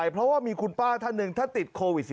เพราะว่ามีคุณป้าท่านหนึ่งท่านติดโควิด๑๙